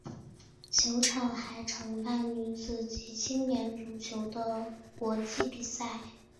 球场还承办女子及青年足球的国际比赛。